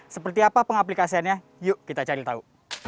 seperti apa pengaplikasiannya yuk kita cari tahu